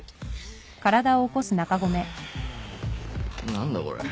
何だこれ。